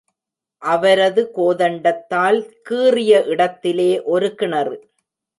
அவரது கோதண்டத்தால் கீறிய இடத்திலே ஒரு கிணறு.